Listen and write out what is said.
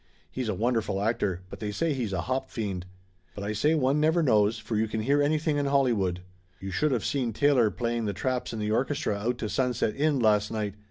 He's a wonderful actor but they say he's a hop fiend. But I say one never knows, for you can hear anything in Hollywood. You should of seen Taylor playing the traps in the orchestra out to Sunset Inn last night.